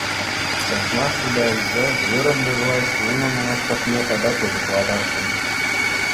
Ҫакна шута илсе вырӑнти влаҫ унӑн лаптӑкне тата пысӑклатасшӑн.